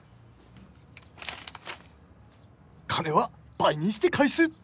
「金は部にして返す！」。